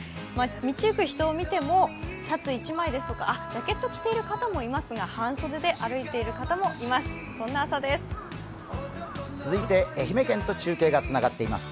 道行く人を見てもシャツ１枚ですとかジャケット着ている方もいますが半袖で歩いている方もいます。